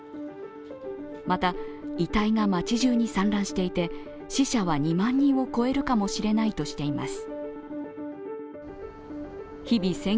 また、遺体が街じゅうに散乱していて死者は２万人を超えるかもしれないとしています。